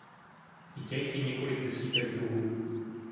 I těch je několik desítek druhů.